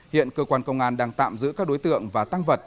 hiện cơ quan công an đang tạm giữ các đối tượng và tăng vật